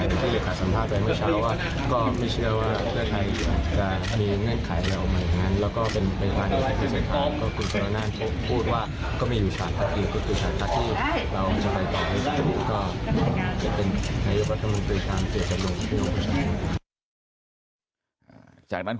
หรือที่เลขาสัมภาษณ์ไปไม่เช้าว่าก็ไม่เชื่อว่าเทศไทยจะมีเงื่อนไขใหม่ออกมาอย่างนั้น